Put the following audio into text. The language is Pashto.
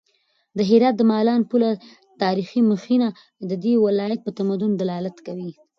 د هرات د مالان پله تاریخي مخینه د دې ولایت په تمدن دلالت کوي.